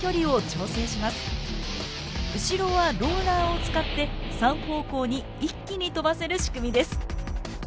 後ろはローラーを使って３方向に一気に飛ばせる仕組みです。